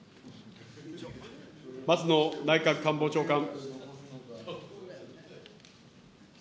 松野内閣官房長官。